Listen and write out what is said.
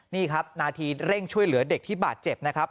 นี่ครับนาทีเร่งช่วยเหลือเด็กที่บาดเจ็บนะครับ